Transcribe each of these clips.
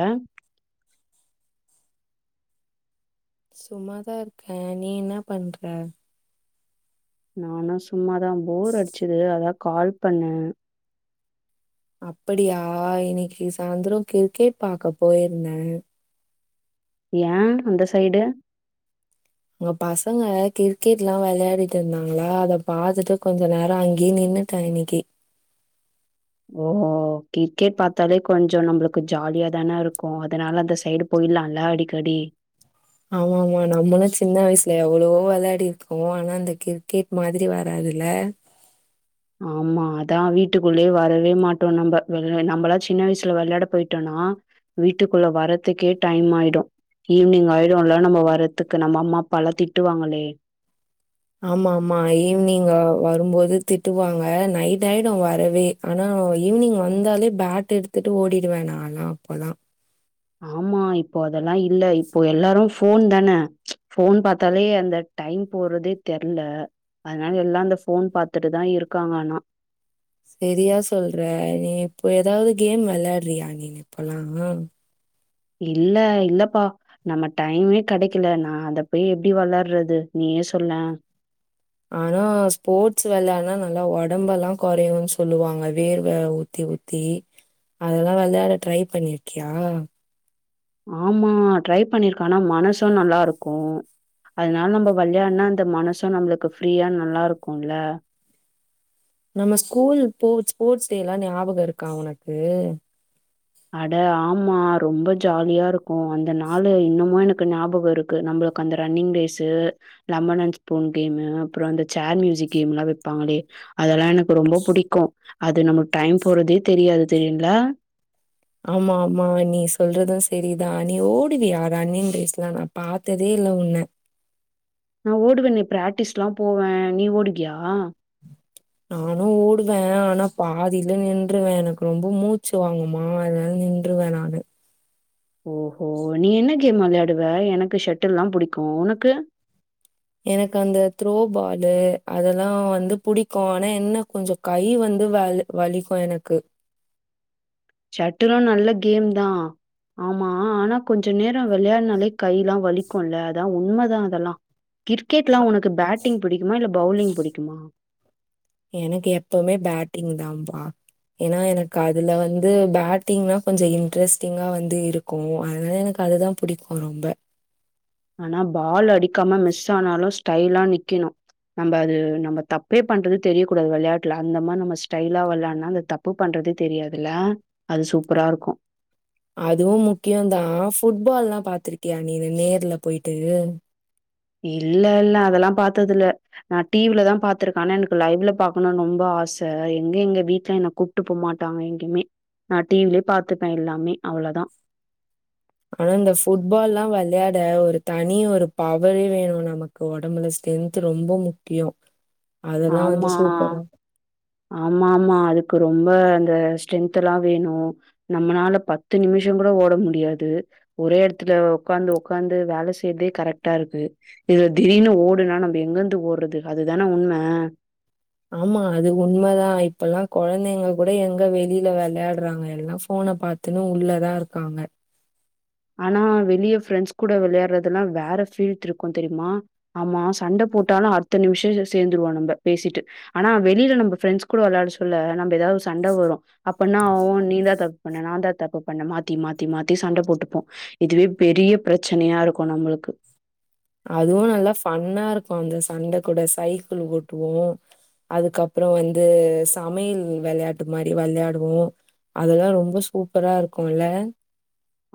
அ சும்மாதான் இருக்கேன் நீ என்ன பண்ற நானும் சும்மாதான் போர் அடிச்சுது அதான் கால் பண்ணே அப்படியா இன்னிக்கு சாயந்தரம் கிரிக்கெட் பாக்க போயிருந்தே ஏன் அந்த சைடு அங்க பசங்க கிரிக்கெட் எல்லா விளையாடிட்டு இருந்தாங்களா அத பாத்துட்டு கொஞ்ச நேர அங்கயே நின் நின்னுட்டா இன்னைக்கு ஓ கிரிக்கெட் பார்த்தாலே கொஞ்ச நம்மளுக்கு ஜாலியா தானே இருக்கும் அதனால அந்த சைடு போயி நானாலா அடிக்கடி ஆமா ஆமா நம்லு சின்ன வய்சுல எவ்ளவோ விளையாடிருக்கோ ஆனா அந்த கிரிக்கெட் மாதிரி வராது துல [unintelligible] ஆமா அதா வீட்டுக்குள்ளே வரவே மாட்டோ நம்ம [unintelligible] நம்மளா சின்ன வய்சுல விளையாட போயிட்டோனா னா வீட்டுக்குள்ள வரத்துக்கே டைம் ஆயிடு ஈவினிங் ஆயிருல்ல நம்ம வர்றதுக்கு நம்ம அம்மாப்பாலா திட்டுவாங்களே ஆமா ஆமா ஈவினிங் அ வரும்போது திட்டுவாங்க நைட் ஆயிடு வரவே ஆனா ஈவினிங் வந்தாலே பேட் எடுத்துட்டு ஓடிடுவே நா ஆனா அப்பலா ஆமா இப்போ அதெல்லா இல்ல இப்போ எல்லாரு ஃபோன் தான ஃபோன் பாத்தாலே அந்த டைம் போறதே தெர்ல அதனால எல்லா அந்த ஃபோன் பாத்துட்டு தா இருக்காங்க ஆனா செரியா சொல்ற நீ இப்போ எதாது கேம் வெள்ளாட்றியா நீனு இப்பலா இல்ல இல்லப்பா நம்ம டைமே கெடைக்கல நா அத போய் எப்டி வெள்ளார்றது நீ நீயே சொல்ல ஆனா ஸ்போட்ஸ் வெளயான்னா நல்லா ஒடம்பெல்லா குறையுன் சொல்லுவாங்க வேர்வ ஊத்தி ஊத்தி அதெலா வெளயாட ட்ரை பண்ணிருக்கியா ஆமா ட்ரை பண்ணிருக்கே ஆனா மனசு நல்லாருக்கு அதனால நம்ம வெள்யாட்னா அந்த மனசு நம்ளுக்கு ஃப்ரீயா நல்லாருக்கும்ல நம ஸ்கூல் போட்ஸ் ஸ்போட்ஸ் டேலா ஞாபகொ இருக்கா ஒனக்கு அட ஆமா ரொம்ப ஜாலியாருக்கு அந்த நாளு இன்னுமு எனக்கு ஞாபகோ இருக்கு நம்ம [unintelligible] அந்த running race lemon and spoon game அப்ரோ அந்த சேர் மியூசிக் கேம்லா வப்பாங்களே அதெலா எனக்கு ரொம்ப புடிக்கு அது நமக்கு டைம் போறதே தெரியாது தெரியுங்லா ஆமா ஆமா நீ சொல்றது செரிதா நீ ஓடுவியா ரன்னிங் ரேஸ்லா நா பாத்ததே லே உன்ன நா ஓடுவனே பிராட்டிஸ்லா போவே நீ ஓடுவியா நானு ஓடுவே ஆனா பாதில நின்றுவே எனக்கு ரொம்ப மூச்சு வாங்குமா அதனால நின்றுவ நானு ஓஹோ நீ என்ன கேம் வெளாயாடுவ எனக்கு ஷட்டில் தா புடிக்கு உனக்கு எனக் அந்த த்ரோபாலு அதெலா வந்து புடிக்கு ஆனா என்ன கொஞ்சோ கை வந்து வந்து வ வலிக்கு எனக்கு ஷாட்டில்லா நல்ல கேம் தா ஆமா ஆனா கொஞ்ச நேரோ வெளயானாலே கைலா வலிக்குல அதா உண்மதா அதெலா கிரிக்கெட்லா உனக்கு பேட்டிங் புடிக்குமா இல்ல பவுலிங் புடிக்குமா எனக்கு எப்பமே பேட்டிங் தான்பா ஏனா எனக் அதுல வந்து பேட்டிங்னா கொஞ்சோ இன்ட்ரெஸ்டிங்கா வந்து இருக்கு அதனால எனக்கு அதுதா புடிக்கு ரொம்ப அ ஆனா பால் அடிக்காம மிஸ் ஸானாலு ஸ்டைலா நிக்கணு நம்ம அது நம்ம தப்பே பண்றது தெரிய கூடாது வெளயாட்ல அந்த மாரி நம்ம ஸ்டைலா வெளயாட்னா அந்த தப்பு பண்ற து தெரியாதுல அது சூப்பராருக்கு அதுவு முக்கியொந்தா ஃபுட்பால்லா பாத்துருக்கியா நீனு நேர்ல போயிட்டு இல்ல இல்ல அதெலா பாத்ததுல்ல நா டிவிலதா பாத்துருக்கே ஆனா எனக்கு லைவ்ல பாக்கணு ரொம்ப ஆ ஆச எங்க எங்க வீட்ல என்ன கூப்ட்டு போமாட்டாங்க எங்கிமே நா டிவிலே பாத்துப்பே எல்லாமே அவ்ள தா ஆனா இந்த ஃபுட்பால்லா வெள்யாட ஒரு தனி ஒரு பவரே வேணு நமக்கு ஒடம்புல ஸ் ஸ்டென்த்து ரொம்ப முக்கியோ ஆமா ஆமாம்மா அதுக்கு ரொம்ப ஸ்டென்தலா வேணு நம்மனால பத்து நிமிஷொங்கூட ஓட முடியாது ஒரே எடத்து துல உக்காந்து உக்காந்து வேல செய்தே கரெக்ட்டார்க்கு இதுல திடீர்னு ஓடுனா நம்ம எங்கருந்து ஓட்ர து அதுதான உண்ம ஆமா அது உண்மதா இப்பெல்லா கொழந்தைங்க கூட எங்க வெளில வெளயாட்றாங்க எல்லா ஃபோன் உன்ன பாத்துன்னு உள்ளதாருக்காங்க ஆனா வெளிய ஃப்ரெண்ட்ஸ் கூட விளையாறதெல்லா வேற ஃபீல்ட் இருக்கு தெரியுமா ஆமா சண்ட போட்டாலு அடுத்த நிமிஷ சே சேந்துருவோ நம்ப பேசிட்டு ஆனா வெளியில நம்ப ஃப்ரெண்ஸ் கூட வெளாட சொல்ல நம் ஏதாது ஒரு சண்ட வரு அப்ப நா நீ தா தப் பண்ண நா தா தப்பு பண்ண மாத்தி மாத்தி மாத்தி சண்ட போட்டுப்போ இதுவே பெரிய பிரச்சனையா இருக்கு நம்மளுக்கு அதுவு நல்லா ஃபன்னா இருக்கு அந்த சண்ட கூட சைக்கிள் ஓட்டுவோ அதுக்கப்பற வந்து சமயல் வெளையாட்டு மாரி வெளையாடுவோ அதெல்லா ரொம்ப சூப்பரா இருக்குல்ல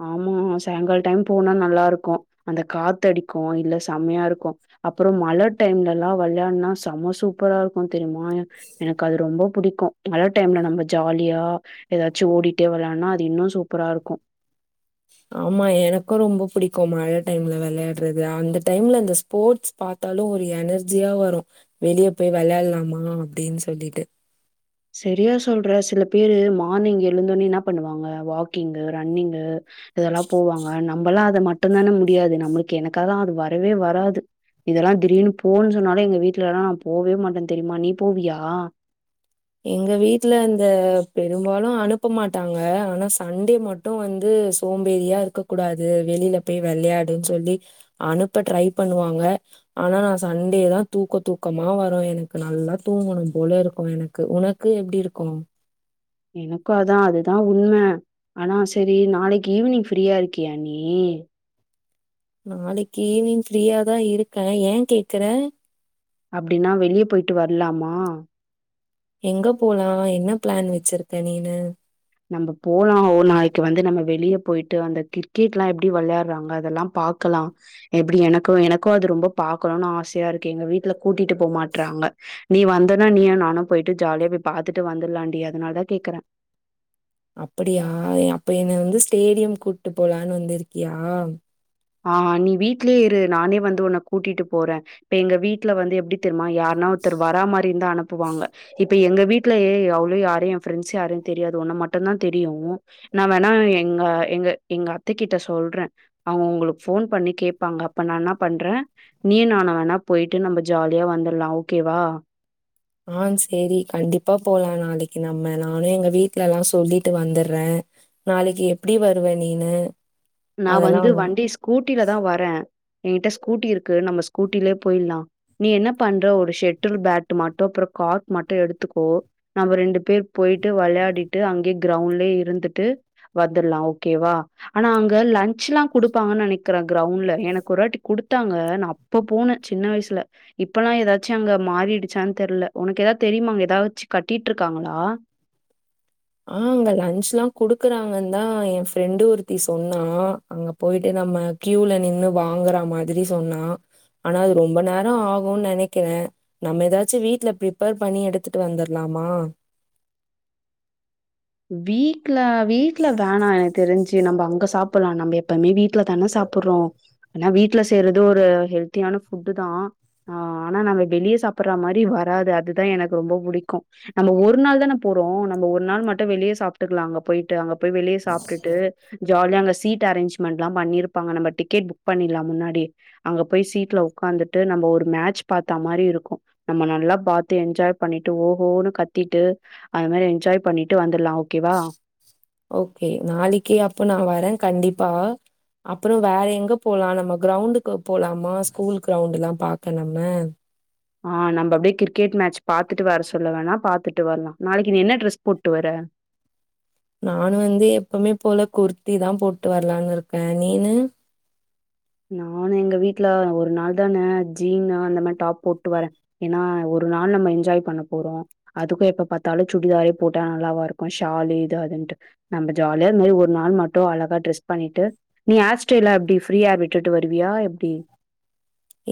ஆமா சாயங்கால டைம் போனா நல்லா இருக்கு அந்த காத்தடிக்கு இல்ல செம்மையா இருக்கு அப்பற மழ டைம்லல்லா வெளையாடுனா செம சூப்பரா இருக்கு தெரியுமா எனக்கு அது ரொம்ப புடிக்கு மழ டைம்ல நம்ப ஜாலியா ஏதாச்சு ஓடிட்டே வெளயாடினா அது இன்னு சூப்பரா இருக்கு ஆமா எனக்கு ரொம்ப புடிக்கு மழ டைம்ல விளையாடுறது அந்த டைம்ல அந்த ஸ்போட்ஸ் பா த்தாலு ஒரு எனர்ஜியா வரு வெளியே போய் விளயாடலாமா அப்டின்னு சொல்லிட்டு செரியா சொல்ற சில பேரு மார்னிங் எழுந்தோனே என்ன பண்ணுவாங்க வாக்கிங்கு ரன்னிங்கு இதெல்லா போவாங்க நம்பல்லா அது மட்டுந்தான முடியாது நம்மளுக்கு எனக்கெல்லா அது வரவே வராது இதெல்லா திடீர்னு போன் சொன்னாலே எங்க வீட்டுல எல்லா நா போவே மாட்டே தெரியுமா நீ போவியா எங்க வீட்டுல அந்த பெரும்பாலு அனுப்ப மாட்டாங்க ஆனா சண்டே மட்டு வந்து சோம்பேறியா இருக்க கூடாது வெளியில போய் வெளையாடு சொல்லி அனுப்ப ட்ரை பண்ணுவாங்க ஆனா நா சண்டே தா தூக்க தூக்கமா வரு எனக்கு நல்லா தூங்கணு போல இருக்கு எனக் உனக்கு எப்டி இருக்கு எனக்கு அதா அதுதா உண்ம ஆனா சேரி நாளைக்கு ஈவினிங் ஃப்ரீயா இருக்கியா நீ நாளைக்கு ஈவினிங் ஃப்ரீயாதா இருக்க ஏ கேக்குற அப்டின்னா வெளிய போயிட்டு வரலாமா எங்க போலா என்ன பிளான் வச்சிருக்க நீனு நம்ப போலா ஒரு நாளைக்கு வந்து நம்ப வெளியே போயிட்டு அந்த கிரிக்கெட் எல்லா எப்புடி வெளையாடுறாங்க அதெல்லா பாக் க்கலா எப்புடி எனக்கு எனக்கு அது ரொம்ப பாக்கணுனு ஆசையா இருக்கு எங்க வீட்ல கூட்டிட்டு போமாட்றாங்க நீ வந்தனா நீயு நானு போயிட்டு ஜாலியா போய் பாத்துட்டு வந்துருலாண்டி அதனால தா கேக்குற அப்புடியா அப்ப என்னே வந்து ஸ்டேடியம் கூட்டு போலான்னு வந்திருக்கியா ஆ நீ வீட்லயே இரு நானே வந்து உன்னே கூட்டிட்டு போற இப்ப எங்க வீட்ல வந்து எப்புடி தெ மா யாருனா ஒருத்தர் வரா மாரி இருந்தா அனுப்புவாங்க இப் ப்ப எங்க வீடலேயே அவ்ளோ யாரையு என் ஃபிரெண்ட்ஸ் யாரையு தெரியாது ஒன்ன மட்டுந்தா தெரியு நா வேணா எங்க எங்க எங்க அத்தைகிட்ட சொல்றே அவங்க உங்களுக் போன் பண்ணி கேப்பாங்க அப்ப நா என்ன பண்றே நீ நானு வேணா போயிட்டு நம்ப ஜாலியா வந்துடலா ஓகே கே வா ஆ சேரி கண்டிப்பா போலா நாளைக்கு நம்ம நானு எங்க வீட்டுலல்லா சொல்லிட்டு வந்தற நாளைக்கு எப்புடி வருவ நீனு நா வந்து வண்டி ஸ்கூட்டிலதா வர எ கிட்ட ஸ்கூட்டி இருக்கு நம்ப ஸ்கூட்டிலேயே போயிலா நீ என்ன பண்ற ஒரு ஷெட்டில் பேட்டு மட்டு பிரிப் கார்ட் மட்டு எடுத்துக்கோ நம்ப ரெண்டு பேர் போய்ட்டு வெளையாடிட்டு அங்கேயே கிரவுண்ட்லயே இருந்துட்டு வந்துரலா ஓகேவா ஆனா அங் க லன்ச்லா கொடுப்பாங்க நெனைக்கிறே கிரவுண்டுலே எனக்கு ஒருவாட்டி குடுத்தாங்க நா அப்ப போன சின்ன வயசு லே இப்பெல்லா ஏதாச்சு அங்க மாறிடுச்சான்னு தெரியல உனக்கு ஏதாது தெரியுமா அங்க ஏதாச்சு கட்டிட்டு இருக்காங்களா ஆ அங்க லன்ச்ல்லா குடுக்குறாங்க தா எ ஃப்ரெண்டு ஒருத்தி சொன்னா அங்க போயிட்டுதா நம்ம கியூல நின்னு வாங்குற மாதிரி சொன்னா ஆனா அது ரொம்ப நேர ஆகுனு நெனைக்கிறே நம்ப ஏதாச்சு வீட்டுல பிரிப்பேர் பண்ணி எடுத்துட்டு வந்துரலா மா வீட்ல வீட்ல வேணா எனக்கு தெரிஞ் சி நம்ப அங்க சாப்பிடலா நம்ம எப்பவுமே வீட்டுல தானே சாப்பிடுறோ ஆனா வீட்டுல செய்றது ஒரு ஹெல்த்தியான நல்ல ஃபுட்டு தா ஆ ஆனா நாங்க வெளியே சாப்பிடுற மாரி வராது அதுதா எனக்கு ரொம்ப புடிக்கு நம்ம ஒரு நாள் தானே போறோ நம்ம ஒரு நாள் மட் டு வெளிய சாப்புட்டுக்கலா அங்க போயிட்டு அங்க போய் வெளிய சாப்ட்டுட்டு ஜாலியா அங்க சீட் அரேஞ்ச்மென்ட் எல்லா பண்ணி இருப்பாங்க நம்ம டிக்கெட் புக் பண்ணிடலா முன்னாடி அங்க போய் சீட்ல உக்கா வந்துட்டு நம்ம ஒரு மேட்ச் பாத்த மாரி இருக்கு நம்ம நல்லா பாத்து என்ஜாய் பண்ணிட்டு ஓஹோன்னு கத்தி ட்டு அது மாரி என்ஜாய் பண்ணிட்டு வந்தரலா ஓகேவா ஓகே நாளைக்கி அப்போ நா வரே கண்டிப்பா அப்புறோ வேற எங்க போலா நம்ம கிரவுண்டுக்கு போலாமா ஸ்கூல் கிரவுண்ட் எல்லா பாக்க நம்ம ஆ நம்ம அப்டியே கிரிக்கெட் மேட்ச் பாத்துட்டு வர சொல்ல வேணா பாத்துட்டு வரலா நாளைக்கி நீ என்ன டிரஸ் போட்டு வர்ற நானு வந்து எப்பவுமே போல குர்த்தி தா போட்டு வரலான்னு இருக்கே நீனு நானு எங்க வீட்டு்ல ஒரு நாள் தானே ஜீன் அந்த மாரி டாப் போட்டு வரே ஏன்னா ஒ ரு நாள் நம்ம என்ஜாய் பண்ண போறோ அதுக்கு எப்ப பாத்தாலு சுடிதாரே போட்டா நல்லாவா இருக்கு ஷாலு இது அதுனு ண்டு நம்ம ஜாலிய இந்த மாரி ஒரு நாள் மட்டு அழகா டிரஸ் பண்ணிட்டு நீ ஹேர் ஸ்டைல் எல்லா எப்டி ஃப்ரீ ஹேர் விட் டுட்டு வருவியா எப்டி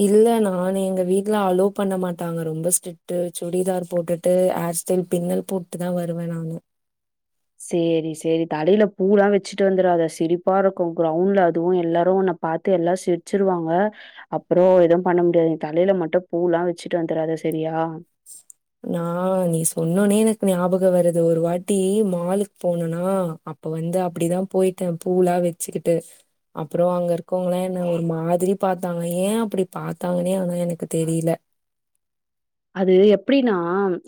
இல்ல நானு எங்க வீட்டுல அலோ பண்ண மாட்டாங்க ரொம்ப ஸ்ட்ரிட்டூ சுடிதார் போட்டுட்டு ஹே ஹேர் ஸ்டைல் பின்னல் போட்டு தா வருவே நானு சேரி சேரி தலையில பூ எல்லா வச்சுட்டு வந்துராதே சிரிப்பா இருக்கு கிரவுண்ட்ல அதுவு எல்லாரு உன்ன பாத்து எல்லா சிரிச்சிருவாங்க அப்புறோ எதுவு பண்ண முடியாது தலையில மட்டும் பூ எல்லா வெச்சுட்டு வந்துராதே செரியா நா நீ சொன்னோனே எனக்கு ஞாபகோ வருது ஒரு வாட்டி மாலுக்கு போனன்னா அப்ப வந்து அப்டிதா போயிட்டே பூ எல்லா வெச்சுக்கிட்டு அப்புறோ அங்க இருக்கவங்களா என்ன ஒரு மாதிரி பாத்தாங்க ஏ அப்டி பாத்தாங்கன்னே ஆனா எனக்கு தெரியில அது எப்டின்னா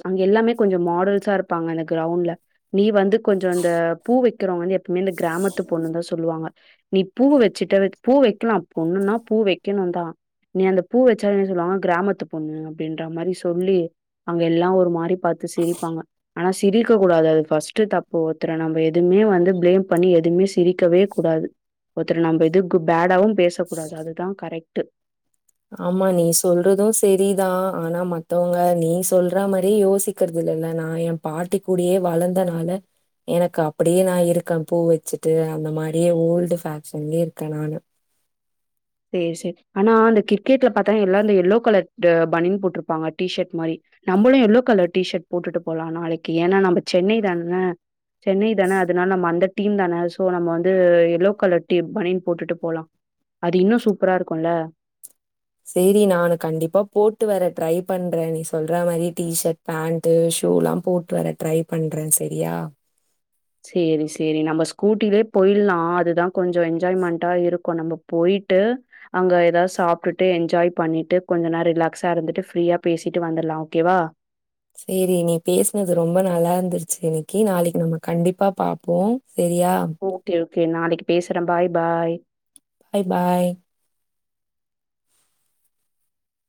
அங்க எல்லாமே கொஞ்சோ மாடல்ஸா இருப்பாங்க அந்த கிரவுண்ட்ல நீ வந்து கொஞ்சோ அந்த பூ வெக்கிறவங்க வந்து எப்பவுமே இந்த கிராமத்து பொண்ணு தா சொல்லுவாங்க நீ பூவ வெச்சுட்டு பூ வெக்கலா பொண்ணுன்னா பூ வெக்கணு தா நீ அந்த பூ வச்சா என்ன சொல்லுவாங்க கிராமத்து பொண்ணு அப்டின்ற மாரி சொல்லி அங்க எல்லா ஒரு மாரி பாத்து சிரிப்பாங்க ஆனா சிரிக்கக் கூடாது அது ஃபர்ஸ்ட்டு தப்பு ஒருத்தர நம்ம எதுவுமே வந்து பிளேம் பண்ணி எதுவுமே சிரிக்கவே கூடாது ஒருத்தர நம்ம எதுக்கு பேடாவு பேசக்கூடாது அதுதா கரெக்ட்டு ஆமா நீ சொல்றது செரிதா ஆனா மத்தவங்க நீ சொல்ற மாரி யோசிக்கறது இல்ல நா எ பாட்டி கூடையே வளந்தனால எனக்கு அப்டியே நா இருக்கே பூ வச்சுட்டு அந்த மாரியே ஓல்டு ஃபேஷன்லயே இருக்கே நானு சேரி சேரி ஆனா அந்த கிரிக்கெட்ல பாத்தேன்னா எல்லா அந்த எல்லோ கலர் த பனியன் போட்டிருப்பாங்க டீசர்ட் மாரி நம்மளு எல்லோ கலர் டிஷர்ட் போட்டுட்டு போலா நாளைக்கி ஏன்னா நம்ம சென்னை தானே சென்னை தானே அதனால நம்ம அந்த டீம் தானே சோ நம்ம வந்து எல்லோ கலர் டீ பனியன் போட்டுட்டு போலா அது இன்னு சூப்பரா இருக்கு இல்ல சேரி நானு கண்டிப்பா போட்டு வர ட்ரை பண்றே நீ சொல்ற மாரி டீஷர்ட் பேண்ட்டு சு லு எல்லாம் போட்டு வர ட்ரை பண்றே செரியா சேரி சேரி நம்ம ஸ்கூட்டிலயே போயிடலா அதுதா கொஞ்சோ என்ஜாய்மென்ட்டா இருக்கு நம்ம போயி ட்டு அங்க ஏதாவது சாப்பிட்டுட்டு என்ஜாய் பண்ணிட்டு கொஞ்ச நேர ரிலாக்ஸா இருந்துட்டு ஃப்ரீயா பேசிட்டு வந்த ரலா ஓகேவா சேரி நீ பேசினது ரொம்ப நல்லா இருந்துச்சு இன்னைக்கி நாளைக்கி நம்ம கண்டிப்பா பாப்போ செரியா ஓகே ஓகே நாளைக்கி பேசுறே பாய் பாய் பாய் பாய்